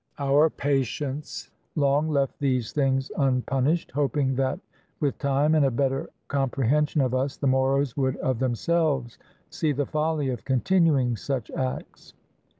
Our patience long left these things unpunished, hoping that with time and a better comprehension of us the Moros would of themselves see the folly of continuing such acts.